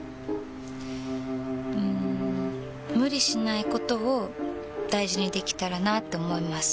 うん無理しないことを大事にできたらなって思います。